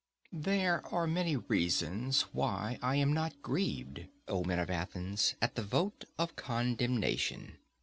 There are many reasons why I am not grieved, O men of Athens, at the vote of condemnation.